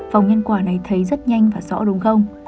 phòng nhân quả này thấy rất nhanh và rõ đúng không